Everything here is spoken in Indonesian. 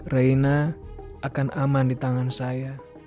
reina akan aman di tangan saya